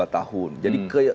dua tahun jadi